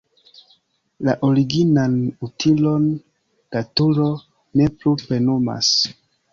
La originan utilon la turo ne plu plenumas.